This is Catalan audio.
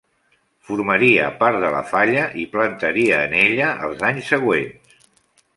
Formaria part de la falla i plantaria en ella els anys següents.